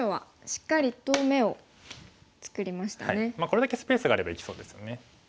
これだけスペースがあれば生きそうですよね。